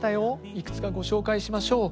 いくつかご紹介しましょう。